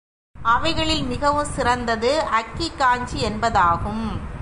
அவைகளில் மிகவும் சிறந்தது அக்கி காஞ்சி என்பதாகும்.